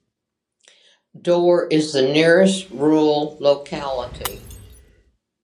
Dor is the nearest rural locality.